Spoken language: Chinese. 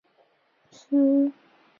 婚姻状况则类似普通人。